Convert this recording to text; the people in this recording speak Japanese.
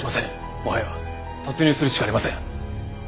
もはや突入するしかありません。